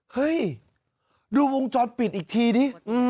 เฮ้ยดูวงจรปิดอีกทีดิ